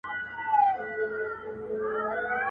هینداره ماته که چي ځان نه وینم تا ووینم.